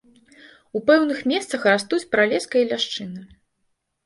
У пэўных месцах растуць пралеска і ляшчына.